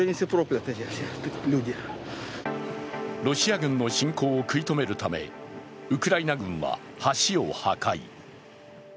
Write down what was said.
ロシア軍の侵攻を食い止めるためウクライナ軍は橋を破壊。